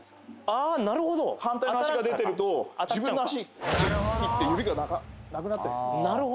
ああーなるほど反対の足が出てると自分の足切って指がなくなったりするんですよ